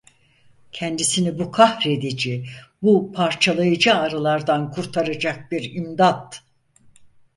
Kendisini bu kahredici; bu parçalayıcı ağrılardan kurtaracak bir imdat…